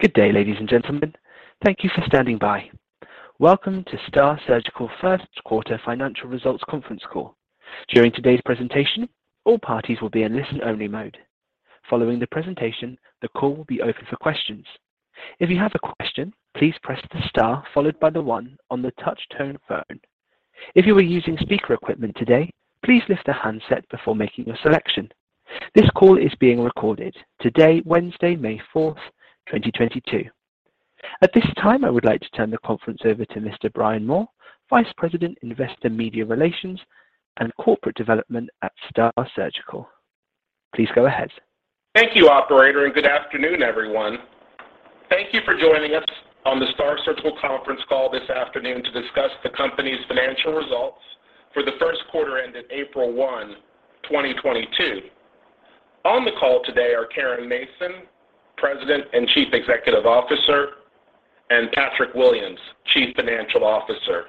Good day, ladies and gentlemen. Thank you for standing by. Welcome to STAAR Surgical Q1 Financial Results Conference Call. During today's presentation, all parties will be in listen-only mode. Following the presentation, the call will be open for questions. If you have a question, please press the star followed by the one on the touchtone phone. If you are using speaker equipment today, please lift the handset before making a selection. This call is being recorded today, Wednesday, May 4, 2022. At this time, I would like to turn the conference over to Mr. Brian Moore, Vice President, Investor Media Relations and Corporate Development at STAAR Surgical. Please go ahead. Thank you, operator, and good afternoon, everyone. Thank you for joining us on the STAAR Surgical conference call this afternoon to discuss the company's financial results for the Q1 ended April 1, 2022. On the call today are Caren Mason, President and Chief Executive Officer, and Patrick Williams, Chief Financial Officer.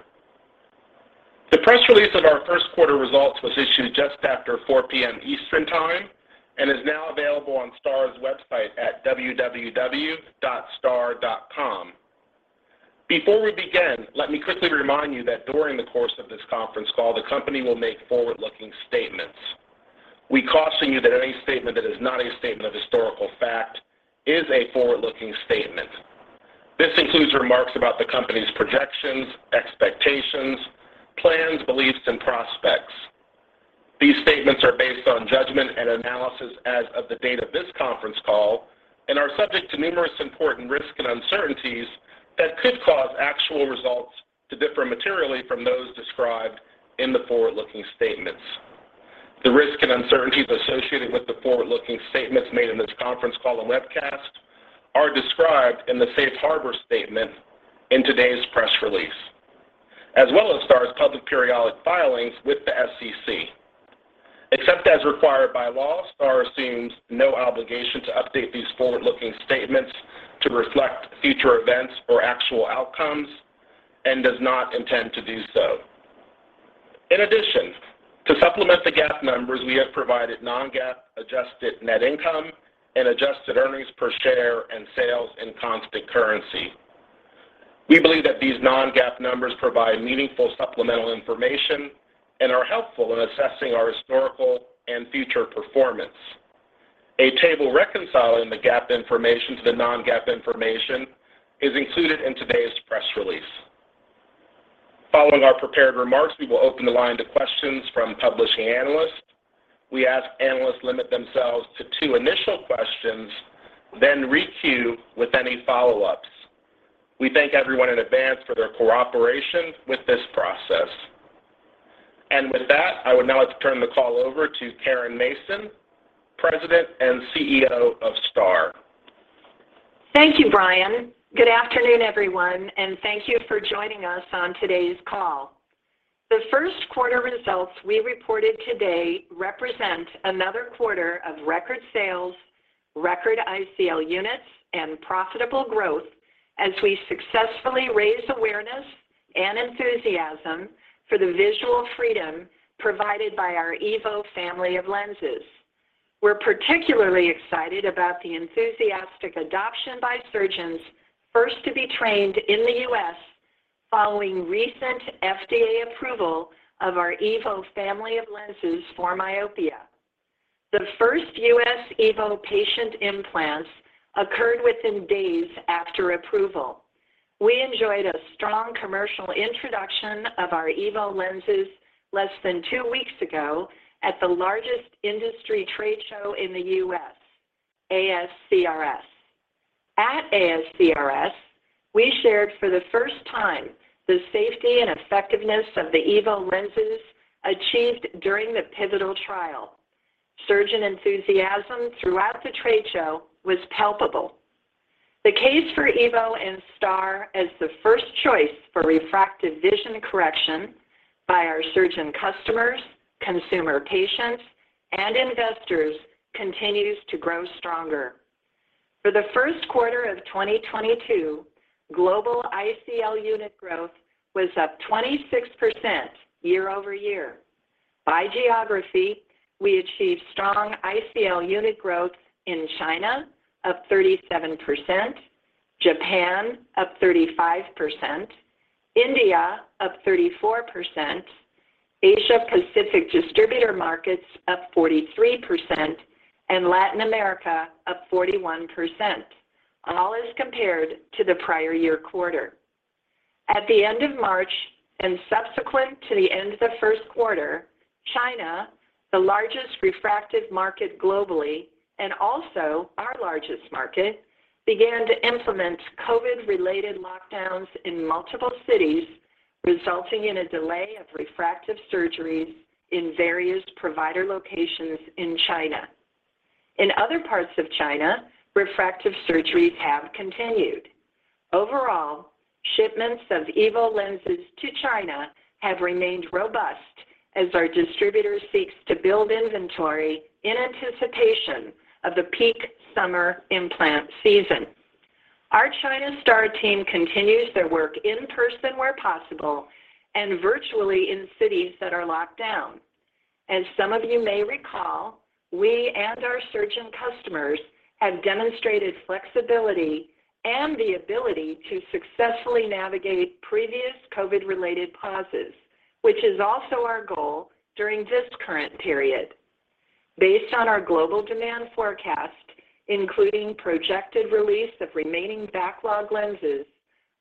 The press release of our Q1 results was issued just after 4 P.M. Eastern Time and is now available on STAAR's website at www.staar.com. Before we begin, let me quickly remind you that during the course of this conference call, the company will make forward-looking statements. We caution you that any statement that is not a statement of historical fact is a forward-looking statement. This includes remarks about the company's projections, expectations, plans, beliefs, and prospects. These statements are based on judgment and analysis as of the date of this conference call and are subject to numerous important risks and uncertainties that could cause actual results to differ materially from those described in the forward-looking statements. The risks and uncertainties associated with the forward-looking statements made in this conference call and webcast are described in the safe harbor statement in today's press release, as well as STAAR's public periodic filings with the SEC. Except as required by law, STAAR assumes no obligation to update these forward-looking statements to reflect future events or actual outcomes and does not intend to do so. In addition, to supplement the GAAP numbers, we have provided non-GAAP adjusted net income and adjusted earnings per share and sales in constant currency. We believe that these non-GAAP numbers provide meaningful supplemental information and are helpful in assessing our historical and future performance. A table reconciling the GAAP information to the non-GAAP information is included in today's press release. Following our prepared remarks, we will open the line to questions from participating analysts. We ask analysts limit themselves to two initial questions, then re-queue with any follow-ups. We thank everyone in advance for their cooperation with this process. With that, I would now like to turn the call over to Caren Mason, President and CEO of STAAR. Thank you, Brian. Good afternoon, everyone, and thank you for joining us on today's call. The Q1 results we reported today represent another quarter of record sales, record ICL units, and profitable growth as we successfully raise awareness and enthusiasm for the visual freedom provided by our EVO family of lenses. We're particularly excited about the enthusiastic adoption by surgeons first to be trained in the U.S. following recent FDA approval of our EVO family of lenses for myopia. The first U.S. EVO patient implants occurred within days after approval. We enjoyed a strong commercial introduction of our EVO lenses less than two weeks ago at the largest industry trade show in the U.S., ASCRS. At ASCRS, we shared for the first time the safety and effectiveness of the EVO lenses achieved during the pivotal trial. Surgeon enthusiasm throughout the trade show was palpable. The case for EVO and STAAR as the first choice for refractive vision correction by our surgeon customers, consumer patients, and investors continues to grow stronger. For the Q1 of 2022, global ICL unit growth was up 26% year-over-year. By geography, we achieved strong ICL unit growth in China up 37%, Japan up 35%, India up 34%, Asia Pacific distributor markets up 43%, and Latin America up 41%, all as compared to the prior year quarter. At the end of March and subsequent to the end of the Q1, China, the largest refractive market globally and also our largest market, began to implement COVID-related lockdowns in multiple cities, resulting in a delay of refractive surgeries in various provider locations in China. In other parts of China, refractive surgeries have continued. Overall, shipments of EVO lenses to China have remained robust as our distributor seeks to build inventory in anticipation of the peak summer implant season. Our China STAAR team continues their work in person where possible and virtually in cities that are locked down. As some of you may recall, we and our surgeon customers have demonstrated flexibility and the ability to successfully navigate previous COVID-related pauses, which is also our goal during this current period. Based on our global demand forecast, including projected release of remaining backlog lenses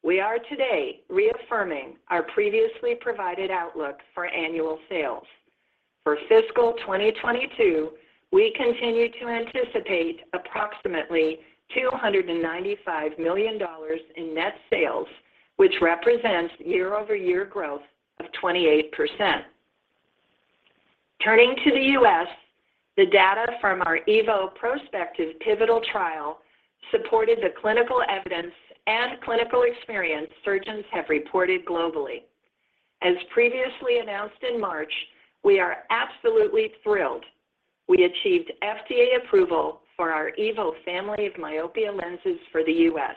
we are today reaffirming our previously provided outlook for annual sales. For fiscal 2022, we continue to anticipate approximately $295 million in net sales, which represents year-over-year growth of 28%. Turning to the U.S., the data from our EVO prospective pivotal trial supported the clinical evidence and clinical experience surgeons have reported globally. As previously announced in March, we are absolutely thrilled we achieved FDA approval for our EVO family of myopia lenses for the U.S.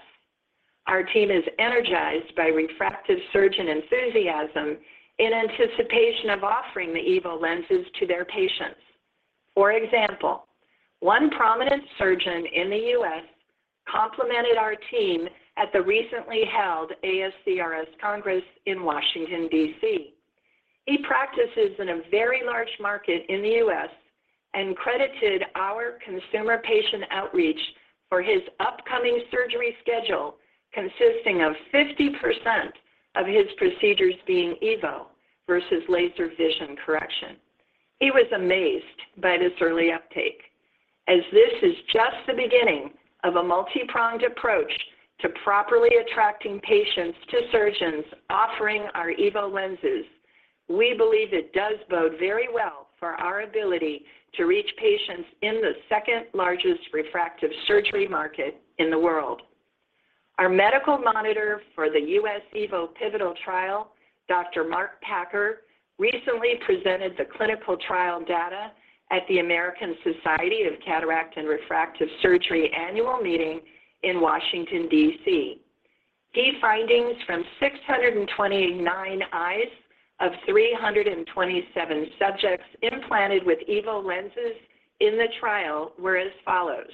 Our team is energized by refractive surgeon enthusiasm in anticipation of offering the EVO lenses to their patients. For example, one prominent surgeon in the U.S. complimented our team at the recently held ASCRS Congress in Washington, D.C. He practices in a very large market in the U.S. and credited our consumer patient outreach for his upcoming surgery schedule, consisting of 50% of his procedures being EVO versus laser vision correction. He was amazed by this early uptake. As this is just the beginning of a multi-pronged approach to properly attracting patients to surgeons offering our EVO lenses, we believe it does bode very well for our ability to reach patients in the second-largest refractive surgery market in the world. Our medical monitor for the U.S. EVO pivotal trial, Dr. Mark Packer, recently presented the clinical trial data at the American Society of Cataract and Refractive Surgery annual meeting in Washington, D.C. Key findings from 629 eyes of 327 subjects implanted with EVO lenses in the trial were as follows.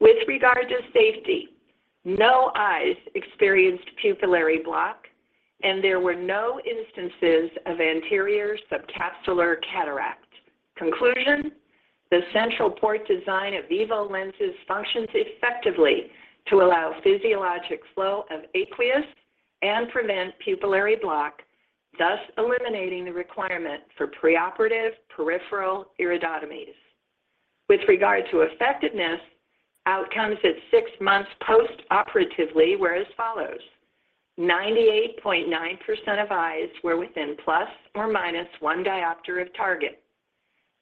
With regard to safety, no eyes experienced pupillary block, and there were no instances of anterior subcapsular cataract. Conclusion, the central port design of EVO lenses functions effectively to allow physiologic flow of aqueous and prevent pupillary block, thus eliminating the requirement for preoperative peripheral iridotomies. With regard to effectiveness, outcomes at 6 months postoperatively were as follows. 98.9% of eyes were within ±1 diopter of target.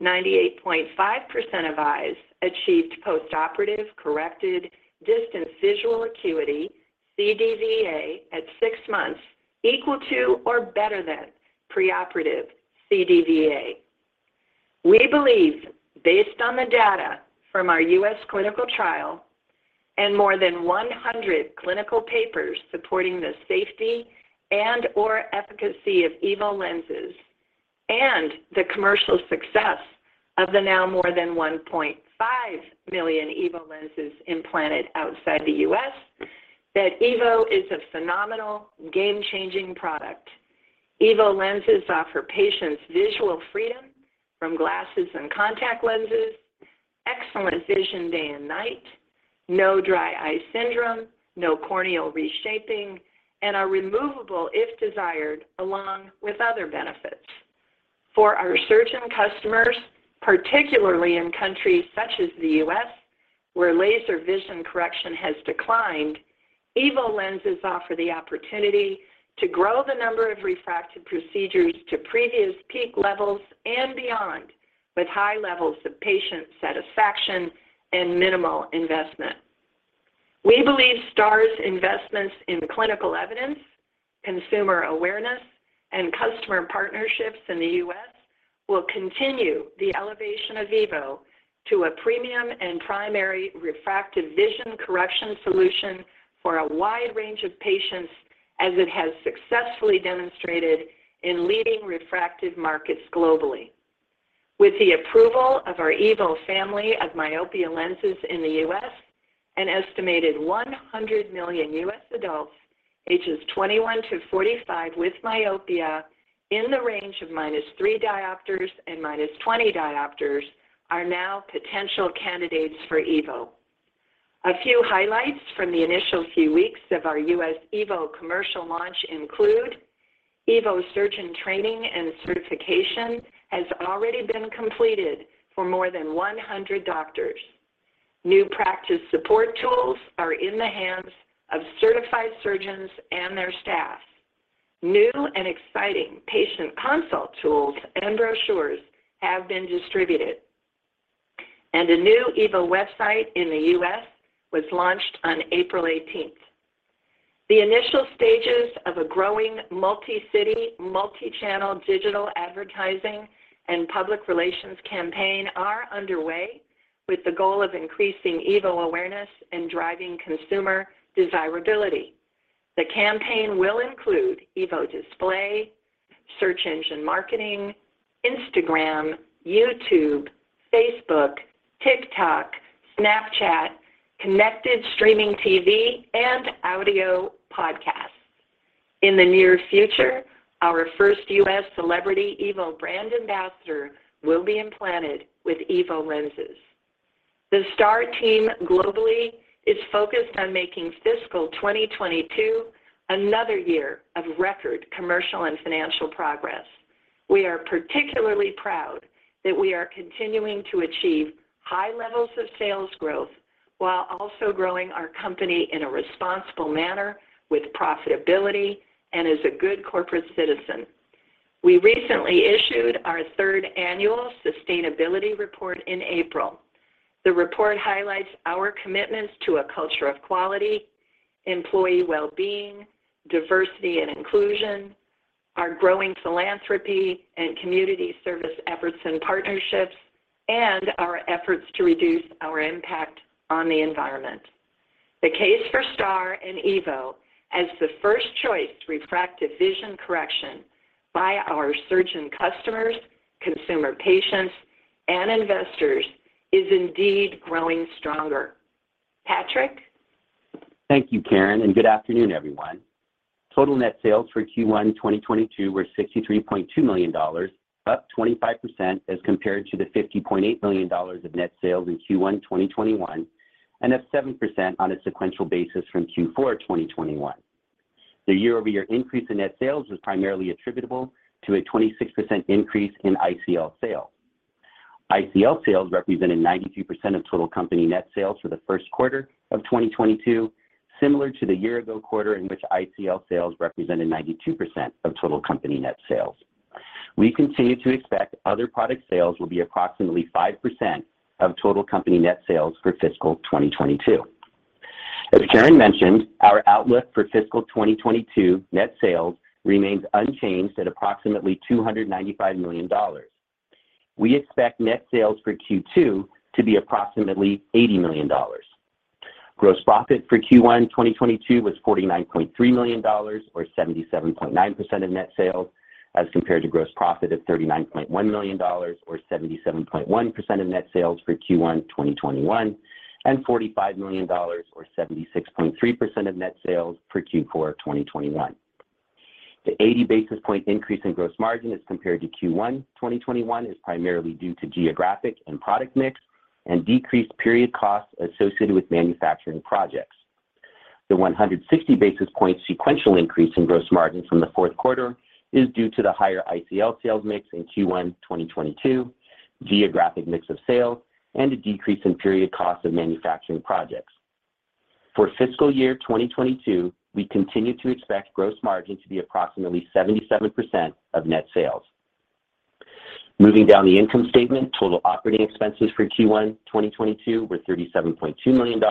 98.5% of eyes achieved postoperative corrected distance visual acuity, CDVA, at 6 months equal to or better than preoperative CDVA. We believe based on the data from our U.S. clinical trial and more than 100 clinical papers supporting the safety and/or efficacy of EVO lenses and the commercial success of the now more than 1.5 million EVO lenses implanted outside the U.S., that EVO is a phenomenal game-changing product. EVO lenses offer patients visual freedom from glasses and contact lenses, excellent vision day and night, no dry eye syndrome, no corneal reshaping, and are removable if desired along with other benefits. For our surgeon customers, particularly in countries such as the U.S. where laser vision correction has declined, EVO lenses offer the opportunity to grow the number of refractive procedures to previous peak levels and beyond with high levels of patient satisfaction and minimal investment. We believe STAAR's investments in clinical evidence, consumer awareness, and customer partnerships in the U.S. will continue the elevation of EVO to a premium and primary refractive vision correction solution for a wide range of patients as it has successfully demonstrated in leading refractive markets globally. With the approval of our EVO family of myopia lenses in the U.S., an estimated 100 million U.S. adults ages 21 to 45 with myopia in the range of -3 diopters to -20 diopters are now potential candidates for EVO. A few highlights from the initial few weeks of our U.S. EVO commercial launch include EVO surgeon training and certification has already been completed for more than 100 doctors. New practice support tools are in the hands of certified surgeons and their staff. New and exciting patient consult tools and brochures have been distributed, and a new EVO website in the U.S. was launched on April 18th. The initial stages of a growing multi-city, multi-channel digital advertising and public relations campaign are underway with the goal of increasing EVO awareness and driving consumer desirability. The campaign will include EVO display, search engine marketing, Instagram, YouTube, Facebook, TikTok, Snapchat, connected streaming TV, and audio podcasts. In the near future, our first U.S. celebrity EVO brand ambassador will be implanted with EVO lenses. The STAAR team globally is focused on making fiscal 2022 another year of record commercial and financial progress. We are particularly proud that we are continuing to achieve high levels of sales growth while also growing our company in a responsible manner with profitability and as a good corporate citizen. We recently issued our third annual sustainability report in April. The report highlights our commitments to a culture of quality, employee well-being, diversity and inclusion, our growing philanthropy and community service efforts and partnerships, and our efforts to reduce our impact on the environment. The case for STAAR and EVO as the first choice refractive vision correction by our surgeon customers, consumer patients, and investors is indeed growing stronger. Patrick. Thank you, Caren, and good afternoon, everyone. Total net sales for Q1 2022 were $63.2 million, up 25% as compared to the $50.8 million of net sales in Q1 2021 and up 7% on a sequential basis from Q4 2021. The year-over-year increase in net sales was primarily attributable to a 26% increase in ICL sales. ICL sales represented 92% of total company net sales for the Q1 of 2022, similar to the year-ago quarter in which ICL sales represented 92% of total company net sales. We continue to expect other product sales will be approximately 5% of total company net sales for fiscal 2022. As Caren mentioned, our outlook for fiscal 2022 net sales remains unchanged at approximately $295 million. We expect net sales for Q2 to be approximately $80 million. Gross profit for Q1 2022 was $49.3 million or 77.9% of net sales as compared to gross profit of $39.1 million or 77.1% of net sales for Q1 2021 and $45 million or 76.3% of net sales for Q4 2021. The 80 basis point increase in gross margin as compared to Q1 2021 is primarily due to geographic and product mix and decreased period costs associated with manufacturing projects. The 160 basis point sequential increase in gross margin from the Q4 is due to the higher ICL sales mix in Q1 2022, geographic mix of sales, and a decrease in period costs of manufacturing projects. For FY 2022, we continue to expect gross margin to be approximately 77% of net sales. Moving down the income statement, total operating expenses for Q1 2022 were $37.2 million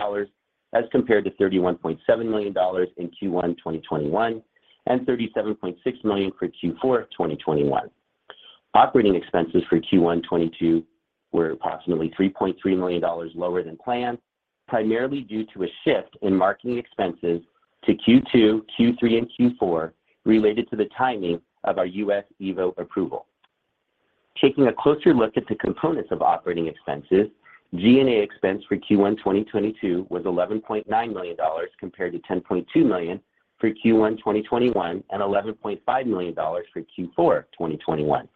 as compared to $31.7 million in Q1 2021 and $37.6 million for Q4 of 2021. Operating expenses for Q1 2022 were approximately $3.3 million lower than planned, primarily due to a shift in marketing expenses to Q2, Q3, and Q4 related to the timing of our U.S. EVO approval. Taking a closer look at the components of operating expenses, G&A expense for Q1 2022 was $11.9 million compared to $10.2 million for Q1 2021 and $11.5 million for Q4 2021.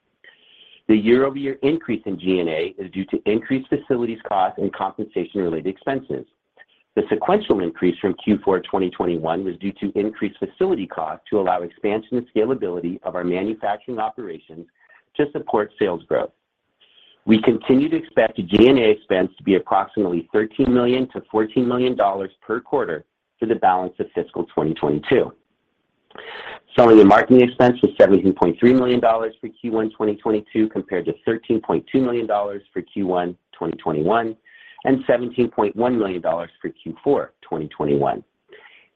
The year-over-year increase in G&A is due to increased facilities costs and compensation-related expenses. The sequential increase from Q4 2021 was due to increased facility costs to allow expansion and scalability of our manufacturing operations to support sales growth. We continue to expect G&A expense to be approximately $13 million to $14 million per quarter for the balance of fiscal 2022. Selling and marketing expense was $17.3 million for Q1 2022 compared to $13.2 million for Q1 2021 and $17.1 million for Q4 2021.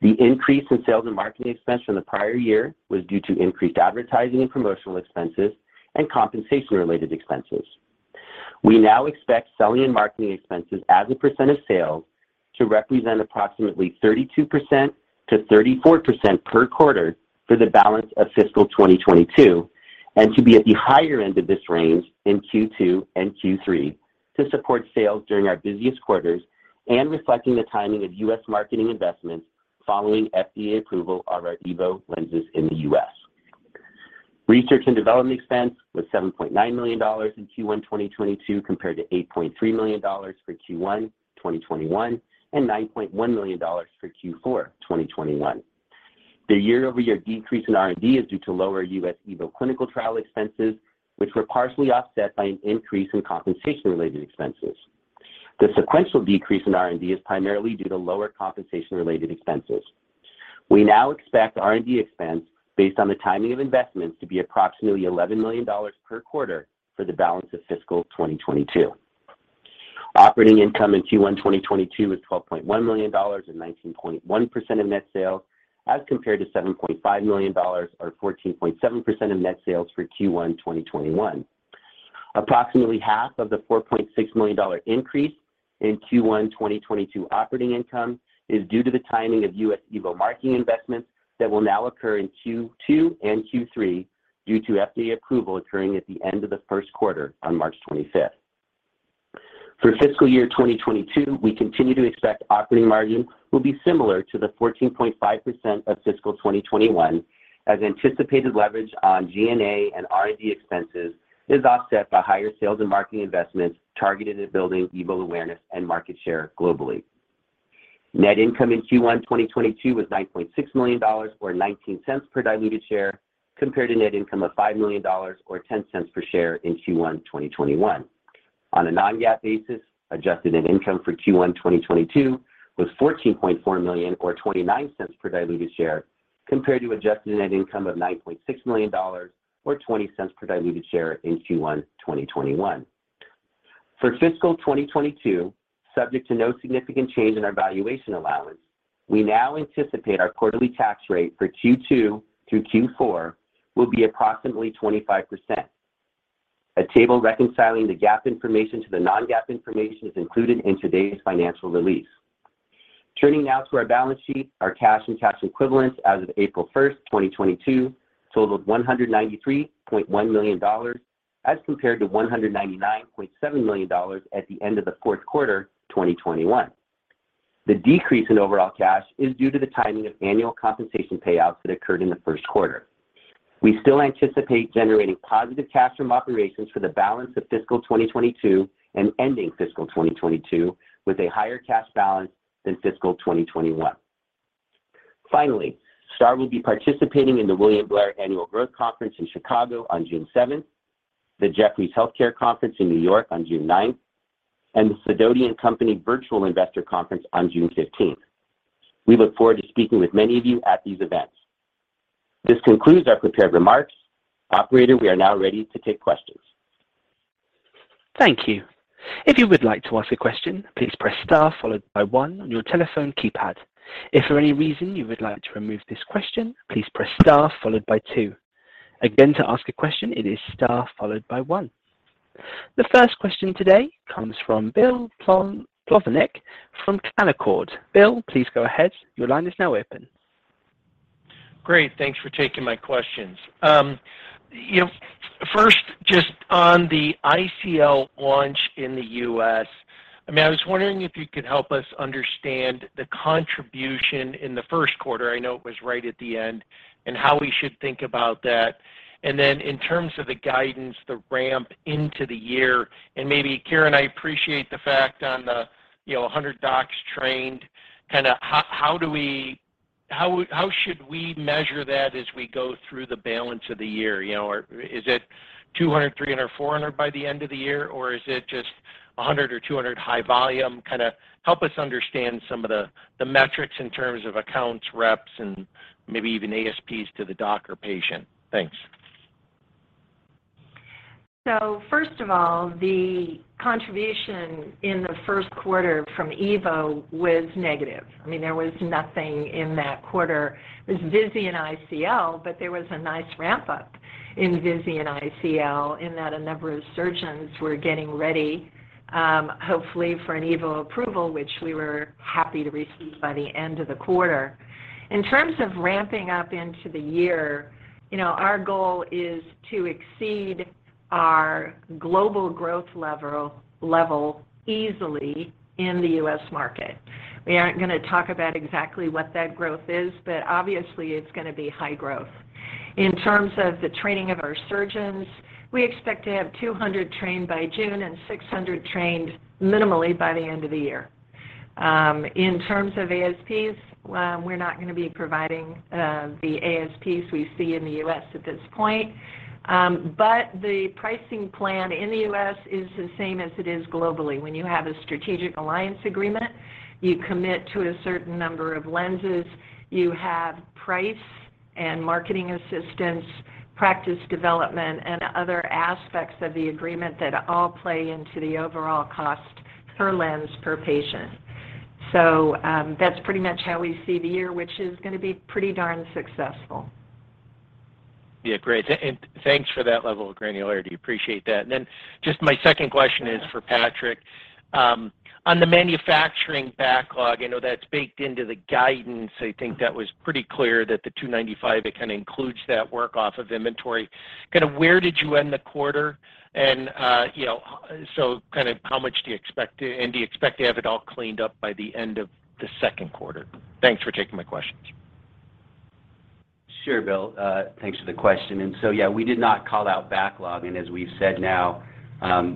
The increase in sales and marketing expense from the prior year was due to increased advertising and promotional expenses and compensation-related expenses. We now expect selling and marketing expenses as a percent of sales to represent approximately 32% to 34% per quarter for the balance of fiscal 2022 and to be at the higher end of this range in Q2 and Q3 to support sales during our busiest quarters and reflecting the timing of U.S. marketing investments following FDA approval of our EVO lenses in the U.S. Research and development expense was $7.9 million in Q1 2022 compared to $8.3 million for Q1 2021 and $9.1 million for Q4 2021. The year-over-year decrease in R&D is due to lower U.S. EVO clinical trial expenses, which were partially offset by an increase in compensation-related expenses. The sequential decrease in R&D is primarily due to lower compensation-related expenses. We now expect R&D expense based on the timing of investments to be approximately $11 million per quarter for the balance of fiscal 2022. Operating income in Q1 2022 was $12.1 million and 19.1% of net sales as compared to $7.5 million or 14.7% of net sales for Q1 2021. Approximately half of the $4.6 million dollar increase in Q1 2022 operating income is due to the timing of U.S. EVO marketing investments that will now occur in Q2 and Q3 due to FDA approval occurring at the end of the Q1 on March 25. For FY 2022, we continue to expect operating margin will be similar to the 14.5% of fiscal 2021 as anticipated leverage on G&A and R&D expenses is offset by higher sales and marketing investments targeted at building EVO awareness and market share globally. Net income in Q1 2022 was $9.6 million or $0.19 per diluted share compared to net income of $5 million or $0.10 per share in Q1 2021. On a non-GAAP basis, adjusted net income for Q1 2022 was $14.4 million or $0.29 per diluted share compared to adjusted net income of $9.6 million or $0.20 per diluted share in Q1 2021. For fiscal 2022, subject to no significant change in our valuation allowance, we now anticipate our quarterly tax rate for Q2 through Q4 will be approximately 25%. A table reconciling the GAAP information to the non-GAAP information is included in today's financial release. Turning now to our balance sheet. Our cash and cash equivalents as of April 1, 2022 totaled $193.1 million as compared to $199.7 million at the end of the Q4 2021. The decrease in overall cash is due to the timing of annual compensation payouts that occurred in the Q1. We still anticipate generating positive cash from operations for the balance of fiscal 2022 and ending fiscal 2022 with a higher cash balance than fiscal 2021. Finally, STAAR will be participating in the William Blair Annual Growth Stock Conference in Chicago on June 7th, the Jefferies Healthcare Conference in New York on June 9th, and the Sidoti & Company Virtual Investor Conference on June 15th. We look forward to speaking with many of you at these events. This concludes our prepared remarks. Operator, we are now ready to take questions. Thank you. If you would like to ask a question, please press star followed by one on your telephone keypad. If for any reason you would like to remove this question, please press star followed by two. Again, to ask a question, it is star followed by one. The first question today comes from Bill Plovanic from Canaccord. Bill, please go ahead. Your line is now open. Great. Thanks for taking my questions. You know, first, just on the ICL launch in the US, I mean, I was wondering if you could help us understand the contribution in the Q1, I know it was right at the end, and how we should think about that. In terms of the guidance, the ramp into the year, and maybe, Caren, I appreciate the fact on the, you know, 100 docs trained, kinda how should we measure that as we go through the balance of the year, you know? Is it 200, 300, 400 by the end of the year? Or is it just 100 or 200 high volume? Kinda help us understand some of the metrics in terms of accounts, reps, and maybe even ASPs to the doc or patient. Thanks. First of all, the contribution in the Q1 from EVO was negative. I mean, there was nothing in that quarter. It was Visian and ICL, but there was a nice ramp-up in Visian and ICL in that a number of surgeons were getting ready, hopefully for an EVO approval, which we were happy to receive by the end of the quarter. In terms of ramping up into the year, you know, our goal is to exceed our global growth level easily in the U.S. market. We aren't gonna talk about exactly what that growth is, but obviously it's gonna be high growth. In terms of the training of our surgeons, we expect to have 200 trained by June and 600 trained minimally by the end of the year. In terms of ASPs, we're not gonna be providing the ASPs we see in the U.S. at this point. The pricing plan in the U.S. is the same as it is globally. When you have a strategic alliance agreement, you commit to a certain number of lenses. You have price and marketing assistance, practice development, and other aspects of the agreement that all play into the overall cost per lens, per patient. That's pretty much how we see the year, which is gonna be pretty darn successful. Yeah, great. Thanks for that level of granularity. Appreciate that. Then just my second question is for Patrick. On the manufacturing backlog, I know that's baked into the guidance. I think that was pretty clear that the $295, it kinda includes that work off of inventory. Kinda where did you end the quarter? You know, so kind of how much do you expect and do you expect to have it all cleaned up by the end of the Q2? Thanks for taking my questions. Sure, Bill Plovanic. Thanks for the question. Yeah, we did not call out backlog, and as we've said now,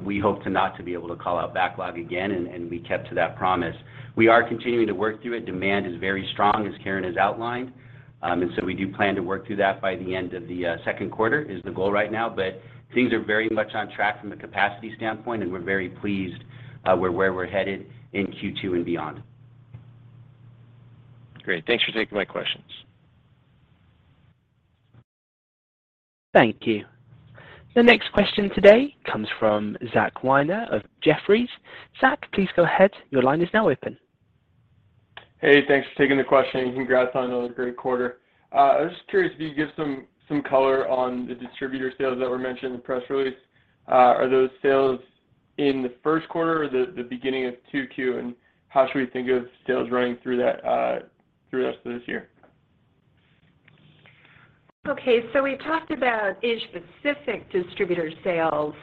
we hope not to be able to call out backlog again, and we kept to that promise. We are continuing to work through it. Demand is very strong, as Caren has outlined. We do plan to work through that by the end of the Q2 is the goal right now. Things are very much on track from a capacity standpoint, and we're very pleased where we're headed in Q2 and beyond. Great. Thanks for taking my questions. Thank you. The next question today comes from Zach Weiner of Jefferies. Zach, please go ahead. Your line is now open. Hey, thanks for taking the question, and congrats on another great quarter. I was just curious if you could give some color on the distributor sales that were mentioned in the press release. Are those sales in the Q1 or the beginning of 2Q? And how should we think of sales running through that through the rest of this year? Okay. We talked about Asia-Pacific distributor sales.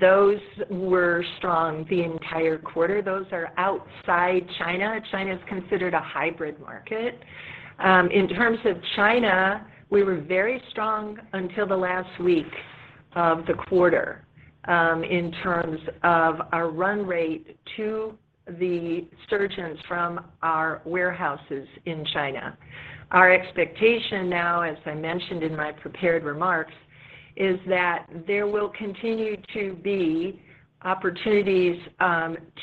Those were strong the entire quarter. Those are outside China. China's considered a hybrid market. In terms of China, we were very strong until the last week of the quarter, in terms of our run rate to the surgeons from our warehouses in China. Our expectation now, as I mentioned in my prepared remarks, is that there will continue to be opportunities,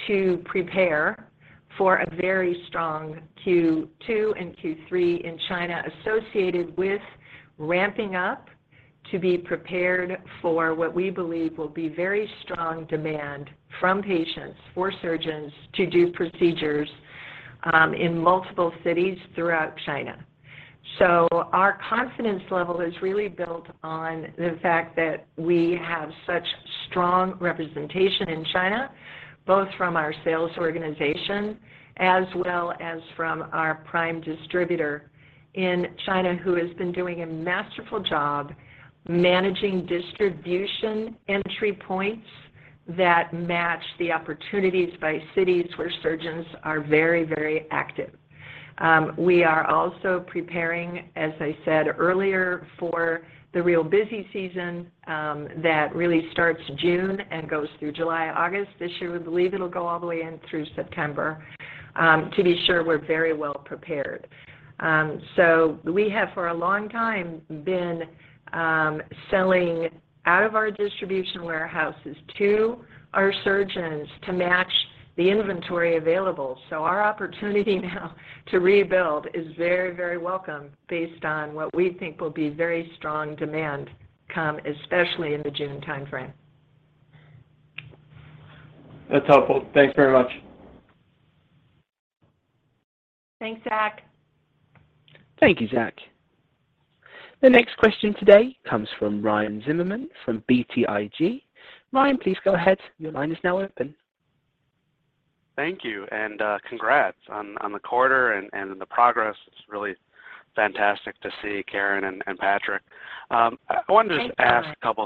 to prepare for a very strong Q2 and Q3 in China associated with ramping up to be prepared for what we believe will be very strong demand from patients for surgeons to do procedures, in multiple cities throughout China. Our confidence level is really built on the fact that we have such strong representation in China, both from our sales organization as well as from our prime distributor in China, who has been doing a masterful job managing distribution entry points that match the opportunities by cities where surgeons are very, very active. We are also preparing, as I said earlier, for the real busy season that really starts in June and goes through July. August this year, we believe it'll go all the way through September to be sure we're very well prepared. We have for a long time been selling out of our distribution warehouses to our surgeons to match the inventory available. Our opportunity now to rebuild is very, very welcome based on what we think will be very strong demand come especially in the June timeframe. That's helpful. Thanks very much. Thanks, Zach. Thank you, Zach. The next question today comes from Ryan Zimmerman from BTIG. Ryan, please go ahead. Your line is now open. Thank you, and congrats on the quarter and the progress. It's really fantastic to see, Caren and Patrick. I wanted to- Thanks, Ryan. Just, I want to ask a couple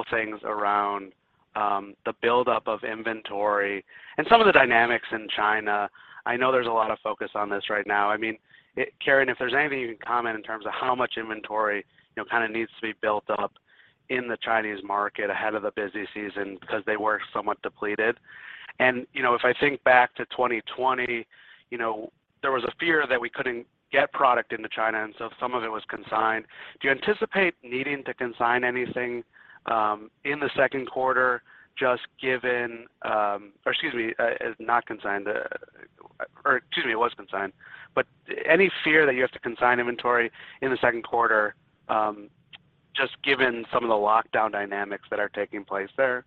of things around the buildup of inventory and some of the dynamics in China. I know there's a lot of focus on this right now. I mean, Caren, if there's anything you can comment in terms of how much inventory, you know, kind of needs to be built up in the Chinese market ahead of the busy season because they were somewhat depleted. You know, if I think back to 2020, there was a fear that we couldn't get product into China, and so some of it was consigned. Do you anticipate needing to consign anything in the Q2 just given it was consigned. Any fear that you have to consign inventory in the Q2, just given some of the lockdown dynamics that are taking place there?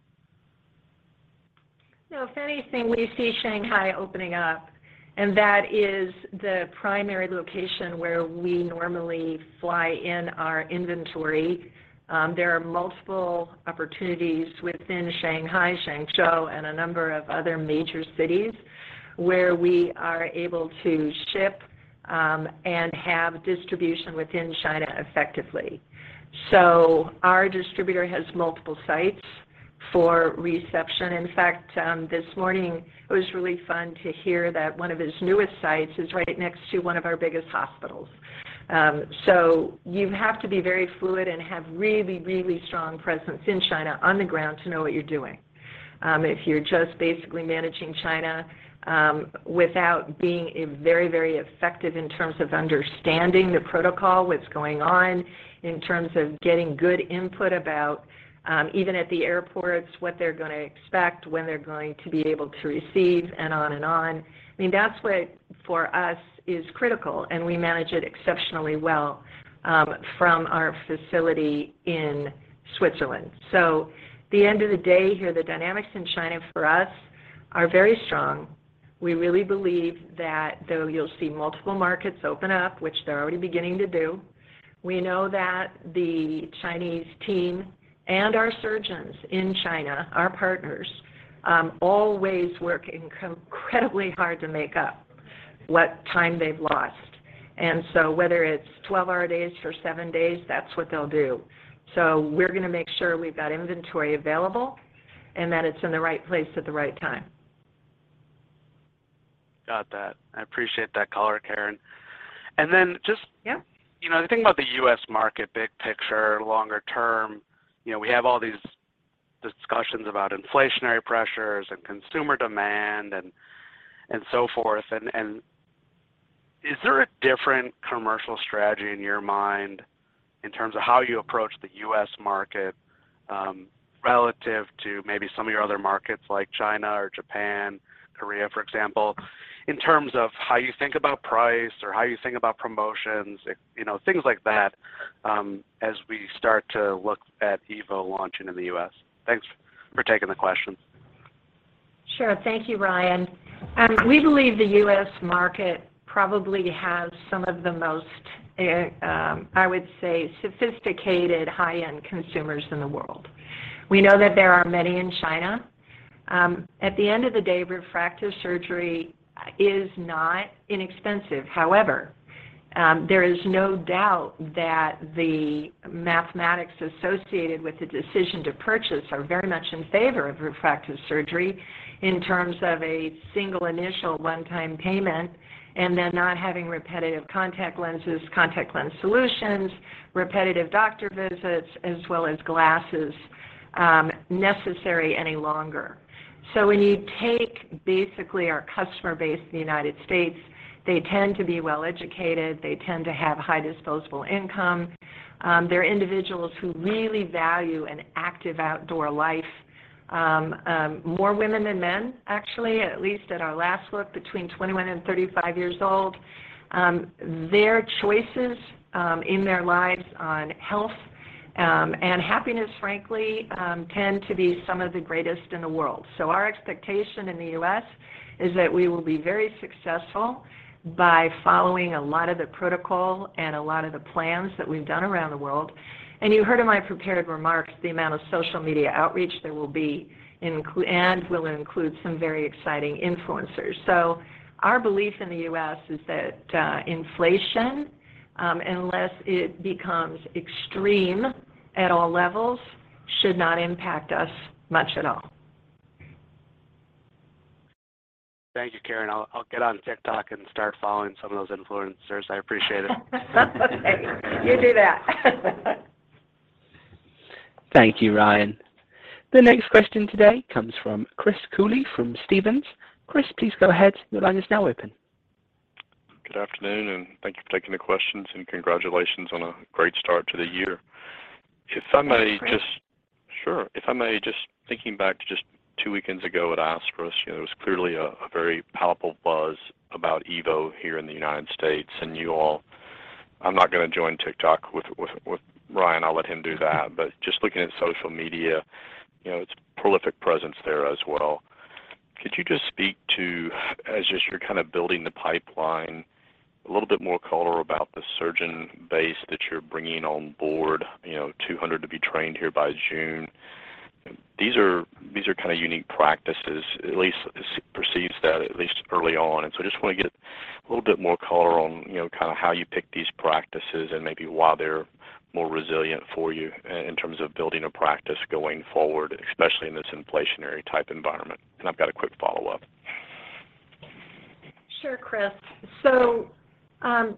No. If anything, we see Shanghai opening up, and that is the primary location where we normally fly in our inventory. There are multiple opportunities within Shanghai, Hangzhou, and a number of other major cities where we are able to ship, and have distribution within China effectively. Our distributor has multiple sites for reception. In fact, this morning, it was really fun to hear that one of his newest sites is right next to one of our biggest hospitals. You have to be very fluid and have really, really strong presence in China on the ground to know what you're doing. If you're just basically managing China without being very, very effective in terms of understanding the protocol, what's going on in terms of getting good input about even at the airports, what they're going to expect, when they're going to be able to receive and on and on. I mean, that's what for us is critical, and we manage it exceptionally well from our facility in Switzerland. At the end of the day here, the dynamics in China for us are very strong. We really believe that though you'll see multiple markets open up, which they're already beginning to do, we know that the Chinese team and our surgeons in China, our partners, always work incredibly hard to make up what time they've lost. Whether it's 12-hour days for 7 days, that's what they'll do. We're going to make sure we've got inventory available and that it's in the right place at the right time. Got that. I appreciate that color, Karen. Then just. Yeah you know, the thing about the U.S. market, big picture, longer term, you know, we have all these discussions about inflationary pressures and consumer demand and so forth. Is there a different commercial strategy in your mind in terms of how you approach the U.S. market, relative to maybe some of your other markets like China or Japan, Korea, for example, in terms of how you think about price or how you think about promotions, you know, things like that, as we start to look at EVO launching in the U.S.? Thanks for taking the question. Sure. Thank you, Ryan. We believe the U.S. market probably has some of the most, I would say, sophisticated high-end consumers in the world. We know that there are many in China. At the end of the day, refractive surgery is not inexpensive. However, there is no doubt that the mathematics associated with the decision to purchase are very much in favor of refractive surgery in terms of a single initial one-time payment, and then not having repetitive contact lenses, contact lens solutions, repetitive doctor visits, as well as glasses, necessary any longer. When you take basically our customer base in the United States, they tend to be well-educated. They tend to have high disposable income. They're individuals who really value an active outdoor life. More women than men, actually, at least at our last look, between 21 and 35 years old. Their choices in their lives on health and happiness, frankly, tend to be some of the greatest in the world. Our expectation in the U.S. is that we will be very successful by following a lot of the protocol and a lot of the plans that we've done around the world. You heard in my prepared remarks the amount of social media outreach there will be and will include some very exciting influencers. Our belief in the U.S. is that inflation, unless it becomes extreme at all levels, should not impact us much at all. Thank you, Caren. I'll get on TikTok and start following some of those influencers. I appreciate it. You do that. Thank you, Ryan. The next question today comes from Chris Cooley from Stephens. Chris, please go ahead. Your line is now open. Good afternoon, and thank you for taking the questions, and congratulations on a great start to the year. If I may just. Thanks, Chris. Sure. If I may, just thinking back to just two weekends ago at ASCRS, you know, there was clearly a very palpable buzz about EVO here in the United States and you all. I'm not gonna join TikTok with Ryan. I'll let him do that. But just looking at social media, you know, it's prolific presence there as well. Could you just speak to, as you're kinda building the pipeline, a little bit more color about the surgeon base that you're bringing on board, you know, 200 to be trained here by June? These are kinda unique practices, at least perceives that, at least early on. Just wanna get a little bit more color on, you know, kinda how you pick these practices and maybe why they're more resilient for you in terms of building a practice going forward, especially in this inflationary type environment, and I've got a quick follow-up. Sure, Chris.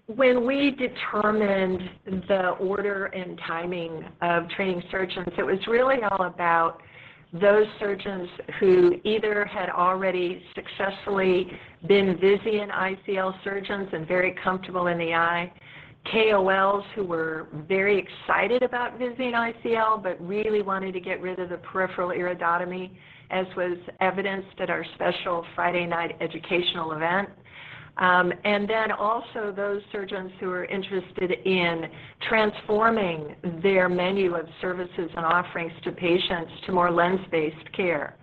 When we determined the order and timing of training surgeons, it was really all about those surgeons who either had already successfully been Visian ICL surgeons and very comfortable in the eye, KOLs who were very excited about Visian ICL but really wanted to get rid of the peripheral iridotomy, as was evidenced at our special Friday night educational event. Those surgeons who are interested in transforming their menu of services and offerings to patients to more lens-based care.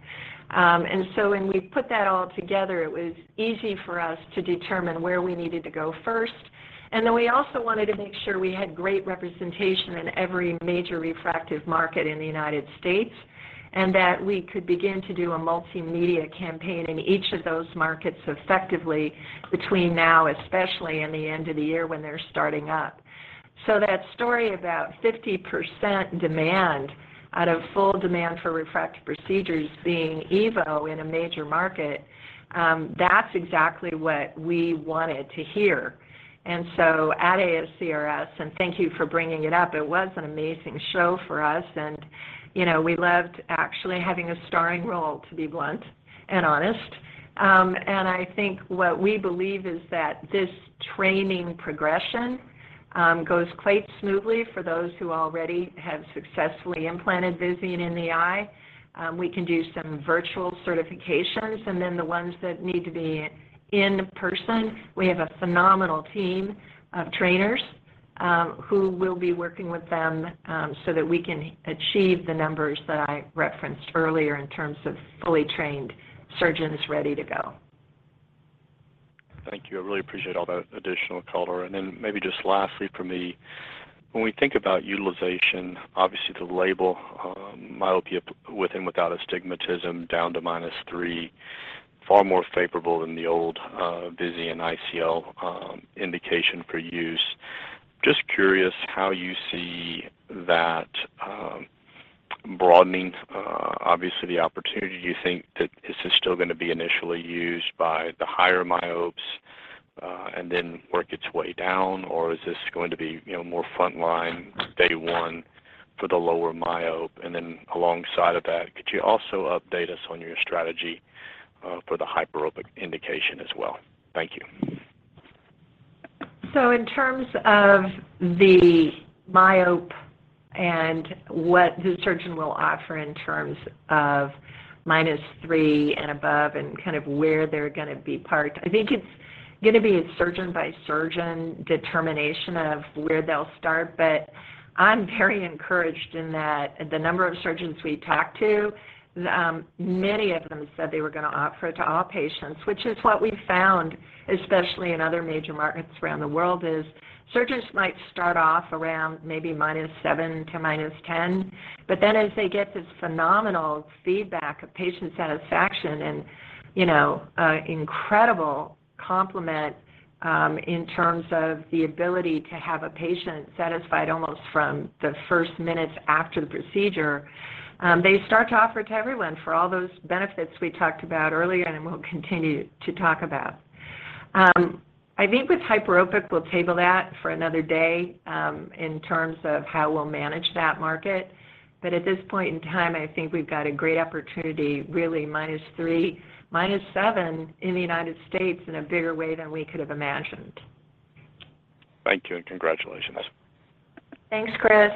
When we put that all together, it was easy for us to determine where we needed to go first. Then we also wanted to make sure we had great representation in every major refractive market in the United States, and that we could begin to do a multimedia campaign in each of those markets effectively between now, especially in the end of the year when they're starting up. That story about 50% demand out of full demand for refractive procedures being EVO in a major market, that's exactly what we wanted to hear. At ASCRS, and thank you for bringing it up, it was an amazing show for us and, you know, we loved actually having a starring role, to be blunt and honest. I think what we believe is that this training progression goes quite smoothly for those who already have successfully implanted Visian in the eye. We can do some virtual certifications, and then the ones that need to be in person, we have a phenomenal team of trainers, who will be working with them, so that we can achieve the numbers that I referenced earlier in terms of fully trained surgeons ready to go. Thank you. I really appreciate all that additional color. Maybe just lastly from me, when we think about utilization, obviously the label, myopia with and without astigmatism down to -3, far more favorable than the old, Visian ICL, indication for use. Just curious how you see that, broadening, obviously the opportunity. Do you think that this is still gonna be initially used by the higher myopes, and then work its way down, or is this going to be, you know, more frontline day one for the lower myope? Alongside of that, could you also update us on your strategy, for the hyperopic indication as well? Thank you. In terms of the myope and what the surgeon will offer in terms of -3 and above and kind of where they're gonna be parked, I think it's going to be a surgeon by surgeon determination of where they'll start. I'm very encouraged in that the number of surgeons we talked to, many of them said they were going to offer it to all patients, which is what we found, especially in other major markets around the world, is surgeons might start off around maybe -7 to -10. Then as they get this phenomenal feedback of patient satisfaction and, you know, incredible compliments, in terms of the ability to have a patient satisfied almost from the first minutes after the procedure, they start to offer to everyone for all those benefits we talked about earlier and will continue to talk about. I think with hyperopic, we'll table that for another day, in terms of how we'll manage that market. At this point in time, I think we've got a great opportunity, really -3, -7 in the United States in a bigger way than we could have imagined. Thank you, and congratulations. Thanks, Chris.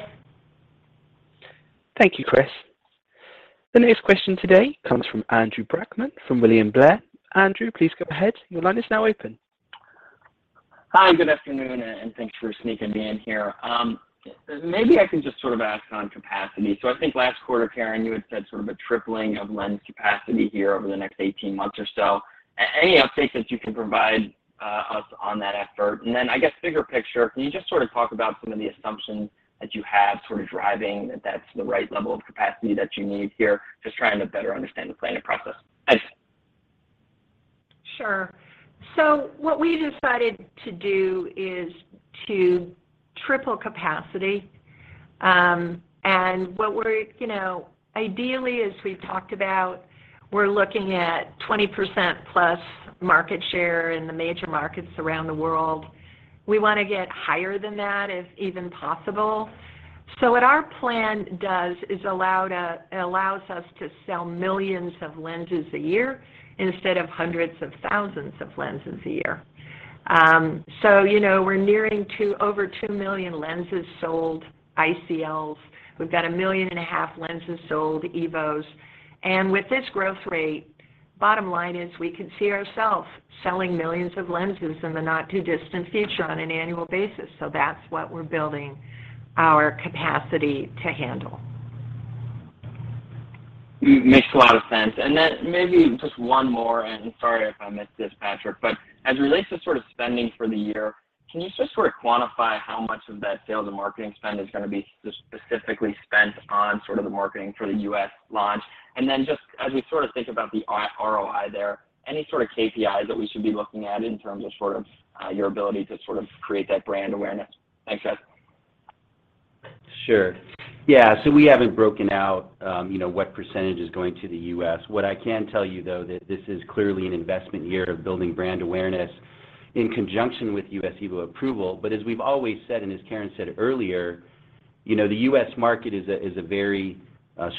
Thank you, Chris. The next question today comes from Andrew Brackmann from William Blair. Andrew, please go ahead. Your line is now open. Hi, good afternoon, and thanks for sneaking me in here. Maybe I can just sort of ask on capacity. I think last quarter, Caren, you had said sort of a tripling of lens capacity here over the next 18 months or so. Any update that you can provide us on that effort? I guess, bigger picture, can you just sort of talk about some of the assumptions that you have sort of driving that that's the right level of capacity that you need here? Just trying to better understand the planning process. Thanks. Sure. What we decided to do is to triple capacity, and what we're you know, ideally, as we've talked about, we're looking at 20%+ market share in the major markets around the world. We want to get higher than that, if even possible. What our plan does is allow to it allows us to sell millions of lenses a year instead of hundreds of thousands of lenses a year. So you know, we're nearing two over two million lenses sold ICLs. We've got a million and a half lenses sold EVOs. And with this growth rate, bottom line is we can see ourselves selling millions of lenses in the not too distant future on an annual basis. That's what we're building our capacity to handle. Makes a lot of sense. Then maybe just one more, and sorry if I missed this, Patrick, but as it relates to sort of spending for the year, can you just sort of quantify how much of that sales and marketing spend is going to be specifically spent on sort of the marketing for the U.S. launch? Then just as we sort of think about the ROI there, any sort of KPIs that we should be looking at in terms of sort of your ability to sort of create that brand awareness? Thanks, guys. Sure. Yeah. We haven't broken out, you know, what percentage is going to the U.S. What I can tell you, though, that this is clearly an investment year of building brand awareness in conjunction with U.S. EVO approval. As we've always said, and as Caren said earlier, you know, the U.S. market is a very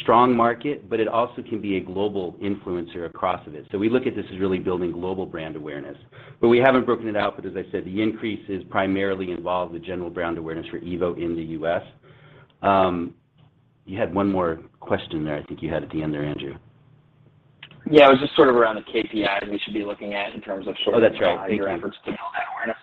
strong market, but it also can be a global influencer across it is. We look at this as really building global brand awareness, but we haven't broken it out. As I said, the increase is primarily involved with general brand awareness for EVO in the U.S. You had one more question there, I think, at the end there, Andrew. Yeah, it was just sort of around the KPI that we should be looking at in terms of sort of. Oh, that's right. Thank you, Andrew. How your efforts to build that awareness.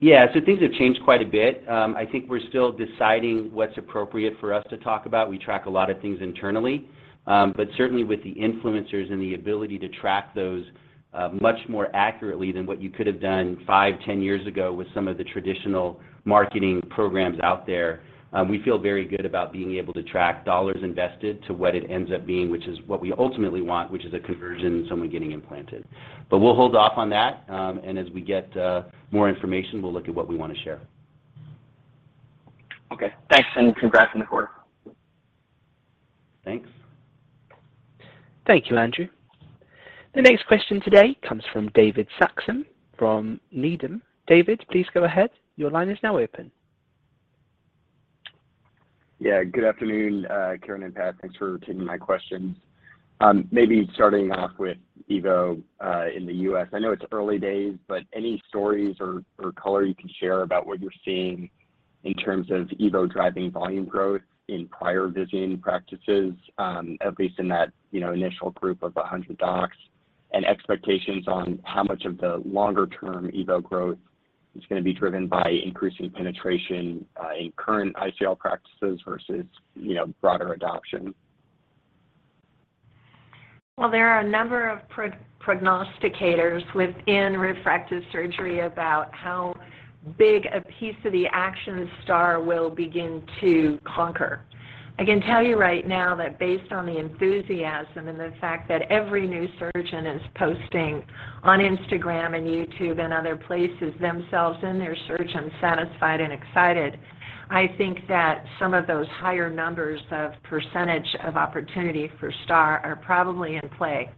Yeah. Things have changed quite a bit. I think we're still deciding what's appropriate for us to talk about. We track a lot of things internally, but certainly with the influencers and the ability to track those, much more accurately than what you could have done 5, 10 years ago with some of the traditional marketing programs out there, we feel very good about being able to track dollars invested to what it ends up being, which is what we ultimately want, which is a conversion, someone getting implanted. We'll hold off on that. As we get more information, we'll look at what we want to share. Okay. Thanks, and congrats on the quarter. Thanks. Thank you, Andrew. The next question today comes from David Saxon from Needham & Company. David, please go ahead. Your line is now open. Yeah, good afternoon, Caren and Pat. Thanks for taking my questions. Maybe starting off with EVO in the U.S. I know it's early days, but any stories or color you can share about what you're seeing in terms of EVO driving volume growth in private vision practices, at least in that, you know, initial group of 100 docs? And expectations on how much of the longer-term EVO growth is going to be driven by increasing penetration in current ICL practices versus, you know, broader adoption. Well, there are a number of prognosticators within refractive surgery about how big a piece of the action STAAR will begin to conquer. I can tell you right now that based on the enthusiasm and the fact that every new surgeon is posting on Instagram and YouTube and other places themselves and their surgeon satisfied and excited, I think that some of those higher numbers of percentage of opportunity for STAAR are probably in play.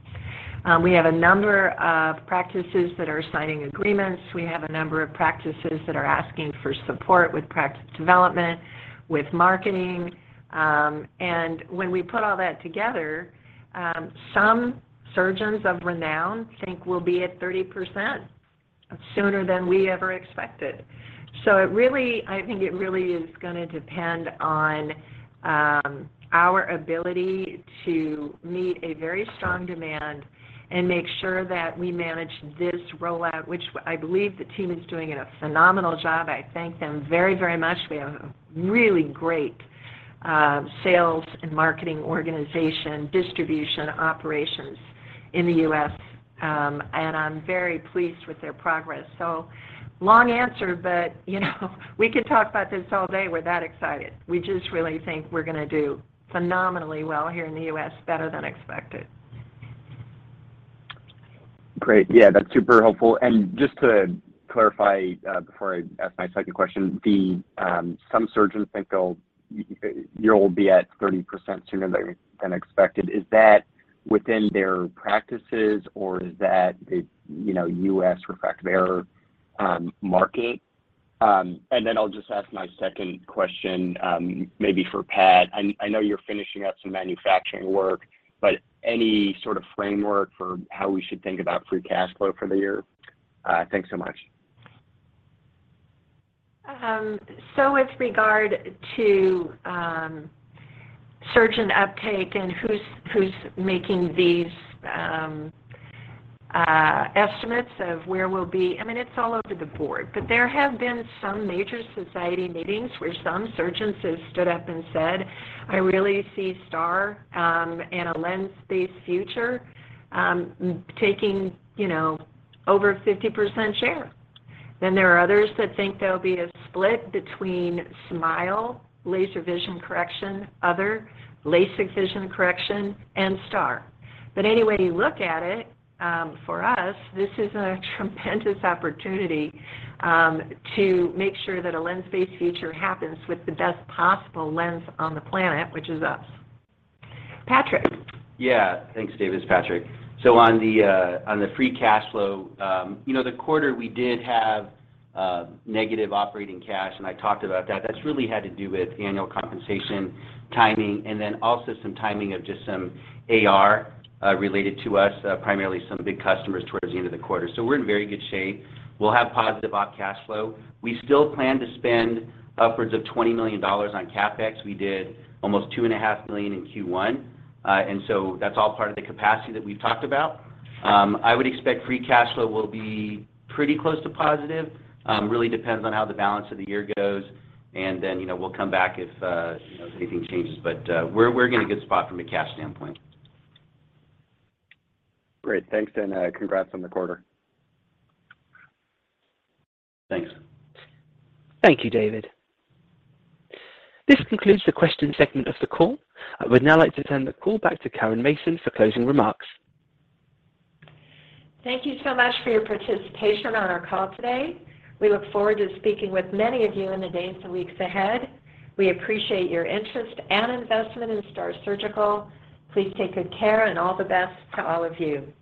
We have a number of practices that are signing agreements. We have a number of practices that are asking for support with practice development, with marketing. When we put all that together, some surgeons of renown think we'll be at 30% sooner than we ever expected. It really, I think, is gonna depend on our ability to meet a very strong demand and make sure that we manage this rollout, I believe the team is doing a phenomenal job. I thank them very, very much. We have a really great sales and marketing organization, distribution operations in the U.S., and I'm very pleased with their progress. Long answer, but you know we could talk about this all day. We're that excited. We just really think we're gonna do phenomenally well here in the U.S., better than expected. Great. Yeah, that's super helpful. Just to clarify, before I ask my second question, some surgeons think they'll. You all will be at 30% sooner than expected. Is that within their practices, or is that a, you know, U.S. refractive error market? Then I'll just ask my second question, maybe for Pat. I know you're finishing up some manufacturing work, but any sort of framework for how we should think about free cash flow for the year? Thanks so much. With regard to surgeon uptake and who's making these estimates of where we'll be, I mean, it's all over the board. There have been some major society meetings where some surgeons have stood up and said, "I really see STAAR and a lens-based future taking, you know, over 50% share." There are others that think there'll be a split between SMILE, laser vision correction, other LASIK vision correction, and STAAR. Any way you look at it, for us, this is a tremendous opportunity to make sure that a lens-based future happens with the best possible lens on the planet, which is us. Patrick. Yeah. Thanks, David. It's Patrick. On the free cash flow, you know, the quarter we did have negative operating cash, and I talked about that. That's really had to do with annual compensation timing and then also some timing of just some AR related to us, primarily some big customers towards the end of the quarter. We're in very good shape. We'll have positive op cash flow. We still plan to spend upwards of $20 million on CapEx. We did almost $2.5 million in Q1. That's all part of the capacity that we've talked about. I would expect free cash flow will be pretty close to positive. Really depends on how the balance of the year goes, and then, you know, we'll come back if, you know, anything changes. We're in a good spot from a cash standpoint. Great. Thanks, and congrats on the quarter. Thanks. Thank you, David. This concludes the question segment of the call. I would now like to turn the call back to Caren Mason for closing remarks. Thank you so much for your participation on our call today. We look forward to speaking with many of you in the days and weeks ahead. We appreciate your interest and investment in STAAR Surgical. Please take good care, and all the best to all of you.